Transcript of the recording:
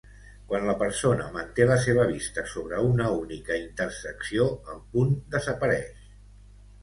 Quan la persona manté la seva vista sobre una única intersecció, el punt desapareix.